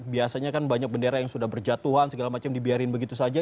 biasanya kan banyak bendera yang sudah berjatuhan segala macam dibiarin begitu saja